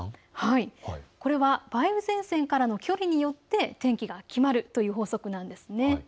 これは梅雨前線からの距離によって天気が決まるという法則なんです。